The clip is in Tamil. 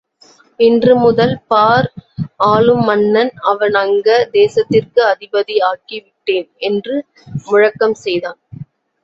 இன்று முதல் பார் ஆளும் மன்னன் அவன் அங்க தேசத்திற்கு அதிபதி ஆக்கி விட்டேன் என்று முழக்கம் செய்தான்.